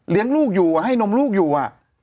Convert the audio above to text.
เลี้ยงลูกอยู่ให้นมลูกอยู่อ่ะ